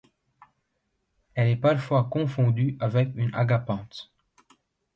Elle est parfois confondue avec une agapanthe.